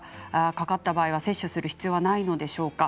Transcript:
かかった場合は接種の必要がないんでしょうか。